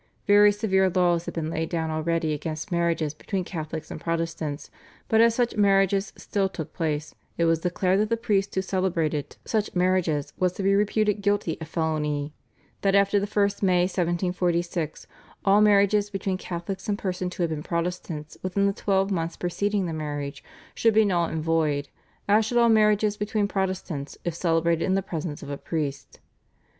Very severe laws had been laid down already against marriages between Catholics and Protestants, but as such marriages still took place, it was declared that the priest who celebrated such marriages was to be reputed guilty of felony, that after the 1st May 1746 all marriages between Catholics and persons who had been Protestants within the twelve months preceding the marriage, should be null and void, as should also all marriages between Protestants if celebrated in the presence of a priest.